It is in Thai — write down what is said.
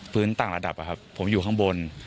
พื้นต่างระดับครับผมอยู่ข้างบน